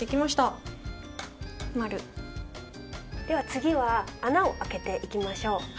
では次は穴を開けていきましょう。